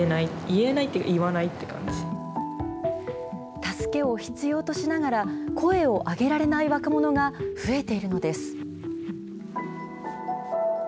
助けを必要としながら、声を上げられない若者が増えているのです。